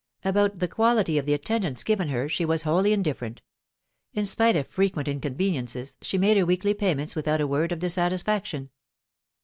About the quality of the attendance given her she was wholly indifferent; in spite of frequent inconveniences, she made her weekly payments without a word of dissatisfaction.